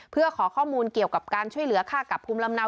เพื่อขอข้อมูลเกี่ยวกับการช่วยเหลือค่ากับภูมิลำเนา